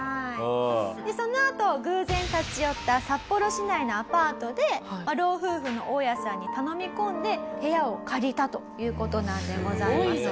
そのあと偶然立ち寄った札幌市内のアパートで老夫婦の大家さんに頼み込んで部屋を借りたという事なんでございます。